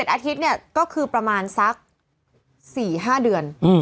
อาทิตย์เนี่ยก็คือประมาณสัก๔๕เดือน